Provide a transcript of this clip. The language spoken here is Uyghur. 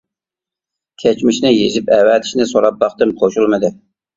كەچمىشىنى يېزىپ ئەۋەتىشنى سوراپ باقتىم قوشۇلمىدى.